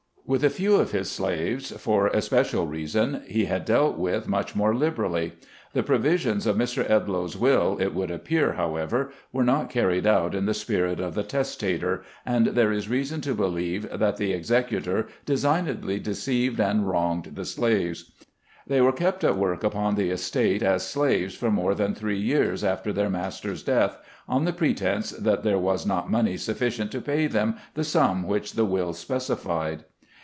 With a few of his slaves, for especial reasons, he had dealt much more liberally. The provisions of Mr. Edloe's 147 148 SKETCHES OF SLAVE LIFE. will, it would appear, however, were not carried out in the spirit of the testator, and there is reason to believe that the executor designedly deceived and wronged the slaves. They were kept at work upon the estate as slaves for more than three years after their master's death, on the pretence that there was not money sufficient to pay them the sum which the will specified.